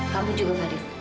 kamu juga fadil